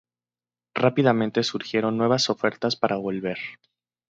Rápidamente surgieron nuevas ofertas para volver.